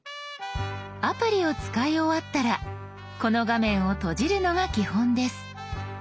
アプリを使い終わったらこの画面を閉じるのが基本です。